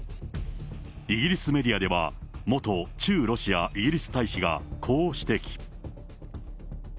イギリスメディアでは、元駐ロシア・イギリス大使がこう指摘。